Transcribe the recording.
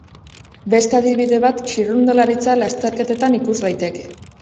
Beste adibide bat txirrindularitza lasterketetan ikus daiteke.